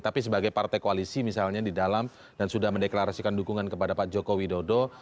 tapi sebagai partai koalisi misalnya di dalam dan sudah mendeklarasikan dukungan kepada pak joko widodo